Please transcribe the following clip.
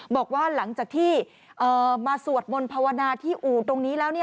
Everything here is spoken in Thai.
บอกว่าหลังจากที่มาสวดมนต์ภาวนาที่อู่ตรงนี้แล้ว